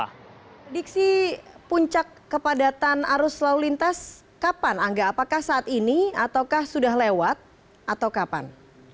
prediksi puncak kepadatan arus lalu lintas kapan angga apakah saat ini ataukah sudah lewat atau kapan